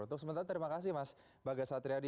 untuk sementara terima kasih mas baga satriadi